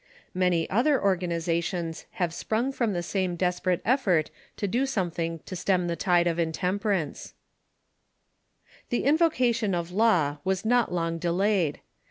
Many other organ izations have sprung from the same desperate effort to do something to stem the tide of intemperance. 600 THE CIIUBCU IN THE UNITED STATES The invocation of law was not long delayed.